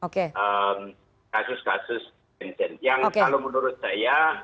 kasus kasus yang kalau menurut saya